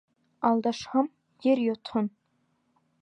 Алдашһам, ер йотһон.